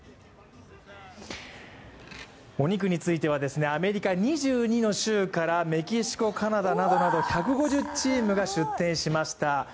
お肉については、アメリカ２２の州からメキシコ、カナダなどなど１５０チームが出店しました。